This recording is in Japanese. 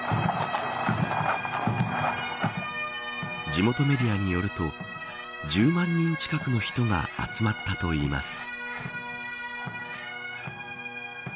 地元メディアによると１０万人近くの人が集まったといいます。